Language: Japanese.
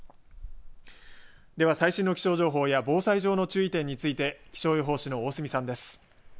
では最新の気象情報や防災上の注意点について気象予報士の大隅さんです。